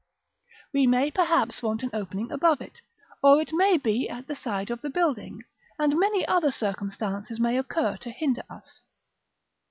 We may perhaps want an opening above it, or it may be at the side of the building, and many other circumstances may occur to hinder us.